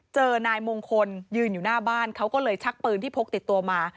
เจอนายมงคลยืนอยู่หน้าบ้านเขาก็เลยชักปืนที่พกติดตัวมา